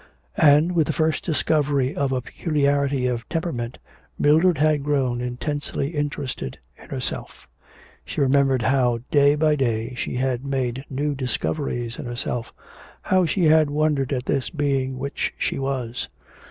And, with the first discovery of a peculiarity of temperament, Mildred had grown intensely interested in herself; she remembered how day by day she had made new discoveries in herself, how she had wondered at this being which was she.